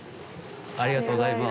ありがとうございます。